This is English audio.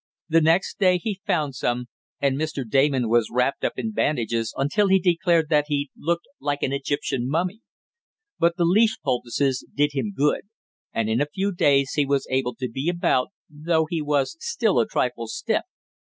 The next day he found some, and Mr. Damon was wrapped up in bandages until he declared that he looked like an Egyptian mummy. But the leaf poultices did him good, and in a few days he was able to be about, though he was still a trifle stiff.